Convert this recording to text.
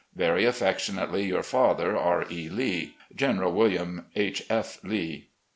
"Very affectionately, your father, "R. E. Lee. "General William H. F. Lee."